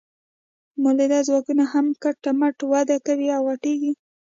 مؤلده ځواکونه هم کټ مټ وده کوي او غټیږي.